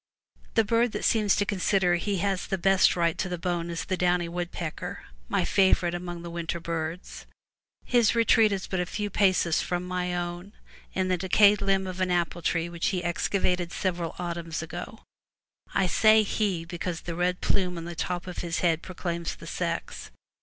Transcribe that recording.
The bird that seems to consider he has the best right to the bone is the downy woodpecker, my favorite neighbor among the winter birds. His retreat is but a few paces from my own, in the decayed limb of an apple tree which he excavated several autumns ago. I say *'he because the red plume on the top of his head proclaims the sex.